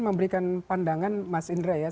memberikan pandangan mas indra ya